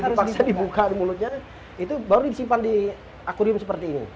terpaksa dibuka di mulutnya itu baru disimpan di akurium seperti ini